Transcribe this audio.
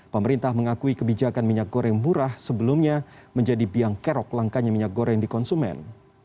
pemerintah mengakui kebijakan minyak goreng murah sebelumnya menjadi biang kerok langkanya minyak goreng di konsumen